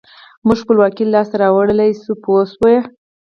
موږ خپلواکي لاسته راوړلای شو پوه شوې!.